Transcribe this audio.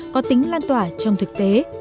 có tính lan tỏa trong thực tế